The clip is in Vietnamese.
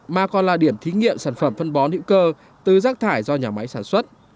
mà còn là điểm thí nghiệm sản phẩm phân bón hữu cơ từ rác thải do nhà máy sản xuất